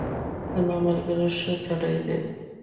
زما ملګری ښه سړی دی.